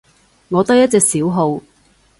我得一隻小號